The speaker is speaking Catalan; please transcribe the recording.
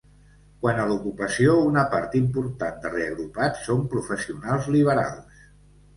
Quant a l'ocupació, una part important de reagrupats són professionals liberals.